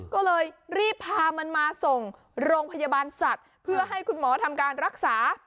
ก็เลยรีบพามันมาส่งโรงพยาบาลสัตว์เพื่อให้คุณหมอทำการรักษา